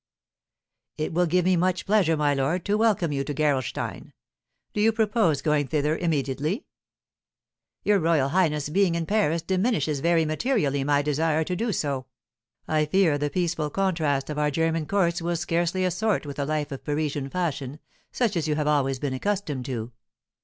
"It will give me much pleasure, my lord, to welcome you to Gerolstein. Do you propose going thither immediately?" "Your royal highness being in Paris diminishes very materially my desire to do so." "I fear the peaceful contrast of our German courts will scarcely assort with a life of Parisian fashion, such as you have always been accustomed to."